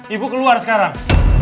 ibu keluar sekarang